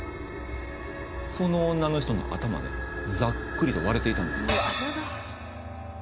その女の人の頭ねざっくりと割れていたんです。